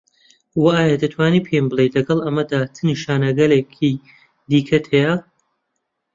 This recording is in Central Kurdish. و ئایا دەتوانی پێم بڵێی لەگەڵ ئەمەدا چ نیشانەگەلێکی دیکەت هەیە؟